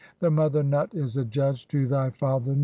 Thy mother Nut is adjudged to thy father Nu."